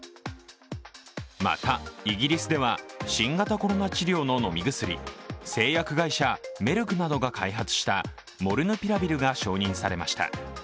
またイギリスでは新型コロナ治療の飲み薬製薬会社メルクなどが開発したモルヌピラビルが承認されました。